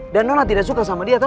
dan nona tidak suka sama dia toh